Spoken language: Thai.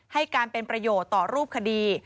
ให้การเป็นประโยชน์ต่อรูปคดี